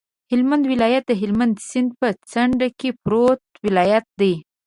هلمند ولایت د هلمند سیند په څنډه کې پروت ولایت دی.